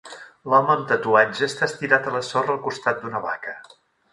L'home amb tatuatge està estirat a la sorra al costat d'una vaca.